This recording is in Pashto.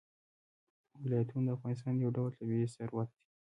ولایتونه د افغانستان یو ډول طبعي ثروت دی.